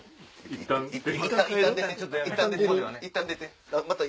いったん出ます？